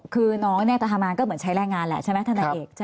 คือน้องแน่ธรรมานก็เหมือนใช้แรงงานแหละ